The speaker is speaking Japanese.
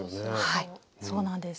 はいそうなんです。